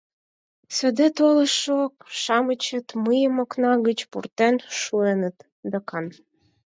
Саде толышо-шамычет мыйым окна гыч пуртен шуэныт докан.